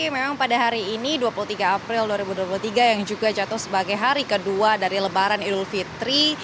memang pada hari ini dua puluh tiga april dua ribu dua puluh tiga yang juga jatuh sebagai hari kedua dari lebaran idul fitri